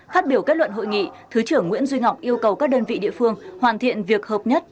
phát biểu kết luận hội nghị thứ trưởng nguyễn duy ngọc yêu cầu các đơn vị địa phương hoàn thiện việc hợp nhất